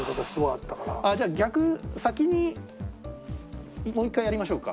じゃあ逆先にもう１回やりましょうか？